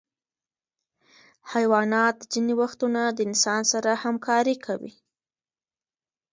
حیوانات ځینې وختونه د انسان سره همکاري کوي.